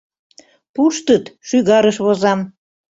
– Пуштыт — шӱгарыш возам.